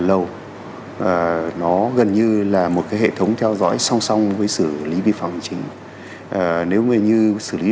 lâu nó gần như là một cái hệ thống theo dõi song song với xử lý vi phạm hành chính nếu như xử lý